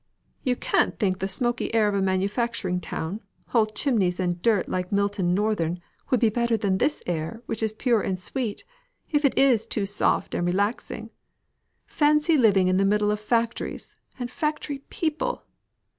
"You can't think the smoky air of a manufacturing town, all chimneys and dirt like Milton Northern, would be better than this air, which is pure and sweet, if it is too soft and relaxing. Fancy living in the middle of factories, and factory people!